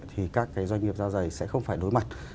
thì các cái doanh nghiệp da dày sẽ không phải đối mặt